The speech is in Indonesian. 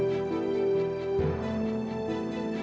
sebelum kamu bisa mandiri